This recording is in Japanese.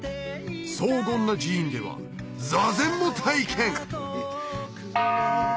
荘厳な寺院では座禅も体験！